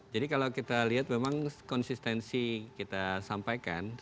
jadi kalau kita lihat memang konsistensi kita sampaikan